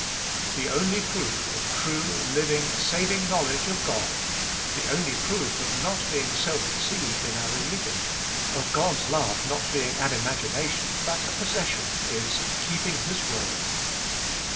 The only proof of true, living, saving knowledge of God; the only proof of not being self deceived in our religion; of God's love not being an imagination, but a possession, is, keeping His word.